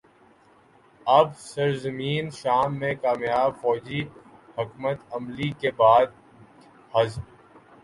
اب سرزمین شام میں کامیاب فوجی حکمت عملی کے بعد حزب